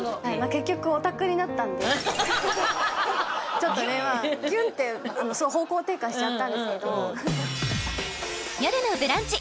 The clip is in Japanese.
結局オタクになったんでちょっとねまあギュンって方向転換しちゃったんですけど「よるのブランチ」